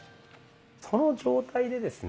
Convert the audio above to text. その状態でですね